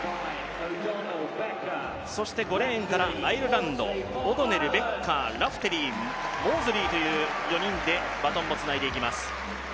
そして５レーンからアイルランドオドネル、ベッカー、ラフテリー、モーズリーという４人でバトンをつないでいきます。